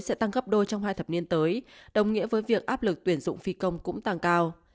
sẽ tăng gấp đôi trong hai thập niên tới đồng nghĩa với việc áp lực tuyển dụng phi công cũng tăng cao